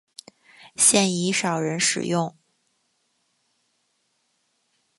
现已少人使用。